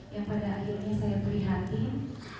yang pada akhirnya saya prihatin